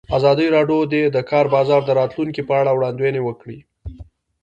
ازادي راډیو د د کار بازار د راتلونکې په اړه وړاندوینې کړې.